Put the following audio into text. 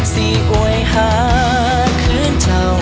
สี่อวยหาคืนเธอ